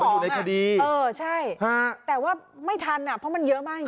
อยู่ในคดีเออใช่ฮะแต่ว่าไม่ทันอ่ะเพราะมันเยอะมากจริง